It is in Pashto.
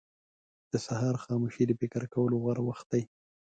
• د سهار خاموشي د فکر کولو غوره وخت دی.